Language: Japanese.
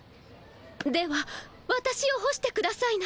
ではわたしを干してくださいな。